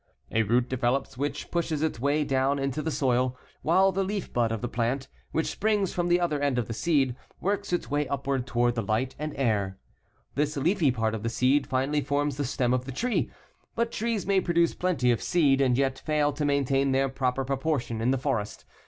A root develops which pushes its way down into the soil, while the leaf bud of the plant, which springs from the other end of the seed, works its way upward toward the light and air. This leafy part of the seed finally forms the stem of the tree. But trees may produce plenty of seed and yet fail to maintain their proper proportion in the forest.